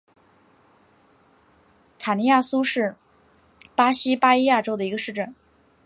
塔尼亚苏是巴西巴伊亚州的一个市镇。